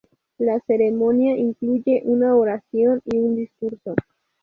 La ceremonia, incluye una oración y un discurso.